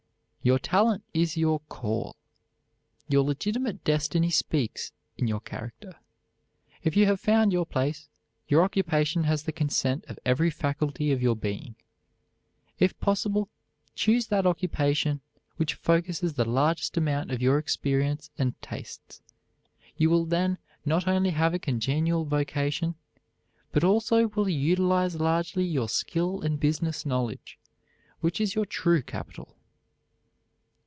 Your talent is your call. Your legitimate destiny speaks in your character. If you have found your place, your occupation has the consent of every faculty of your being. If possible, choose that occupation which focuses the largest amount of your experience and tastes. You will then not only have a congenial vocation, but also will utilize largely your skill and business knowledge, which is your true capital.